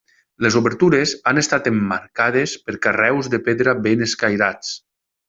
Les obertures han estat emmarcades per carreus de pedra ben escairats.